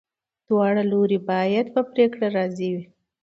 دواړه لوري باید په پریکړه راضي وي.